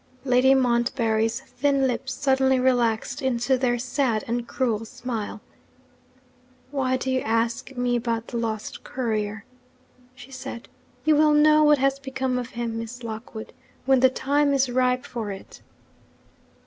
Lady Montbarry's thin lips suddenly relaxed into their sad and cruel smile. 'Why do you ask me about the lost courier?' she said. 'You will know what has become of him, Miss Lockwood, when the time is ripe for it.'